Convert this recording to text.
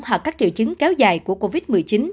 hoặc các triệu chứng kéo dài của covid một mươi chín